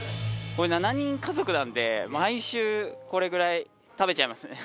７人家族なんで毎週これぐらい食べちゃいますね。